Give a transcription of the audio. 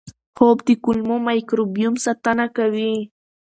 خوب د کولمو مایکروبیوم ساتنه کوي.